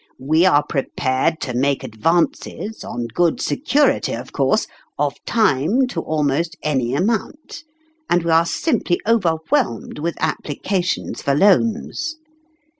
We are prepared to make advances, on good security of course, of time to almost any amount ; and we are simply overwhelmed with applications for loans.